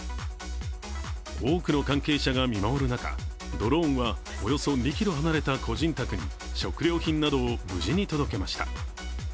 多くの関係者が見守る中ドローンはおよそ２ｋｍ離れた個人宅に食料品などを無事に届けました。